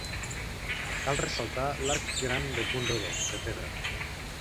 Cal ressaltar l'arc gran de punt rodó, de pedra.